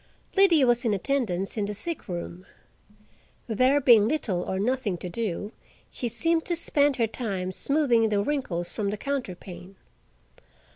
Liddy was in attendance in the sick room. There being little or nothing to do, she seemed to spend her time smoothing the wrinkles from the counterpane.